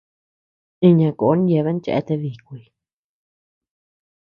Iña koo yeabean cheate díkuy.